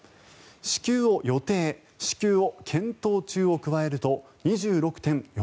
支給を予定支給を検討中を加えると２６．４％。